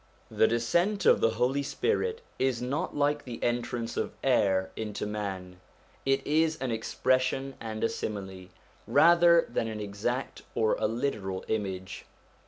The descent of the Holy Spirit is not like the entrance of air into man ; it is an expression and a simile, rather than an exact or a literal image.